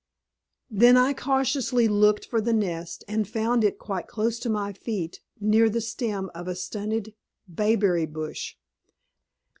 Then I cautiously looked for the nest, and found it quite close to my feet, near the stem of a stunted bayberry bush.